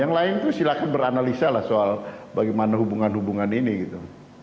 yang lain itu silahkan beranalisa lah soal bagaimana hubungan hubungan ini gitu